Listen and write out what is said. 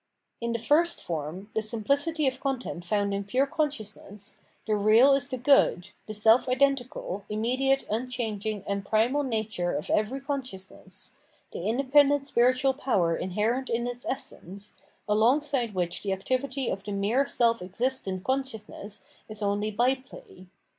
In the first form, the simplicity of content found in pure consciousness, the real is the Good, the self identical, immediate, unchanging, and primal nature of every con sciousness, the independent spiritual power inherent in its essence, alongside which the activity of the mere self esistent consciousness is only by play.